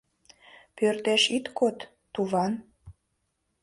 — Пӧртеш ит код, туван.